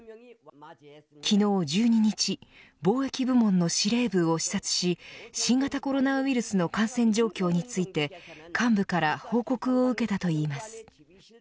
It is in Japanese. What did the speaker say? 昨日１２日防疫部門の司令部を視察し新型コロナウイルスの感染状況について幹部から報告を受けたといいます。